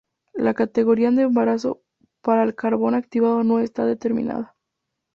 La categoría de embarazo para el carbón activado no está determinada.